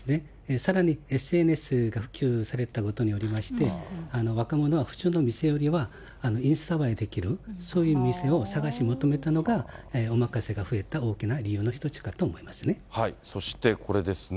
さらにＳＮＳが普及されたことによりまして、若者は普通の店よりは、インスタ映えできるそういう店を探し求めたのがおまかせが増えたそしてこれですね。